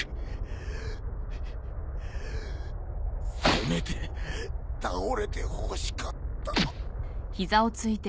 せめて倒れてほしかった。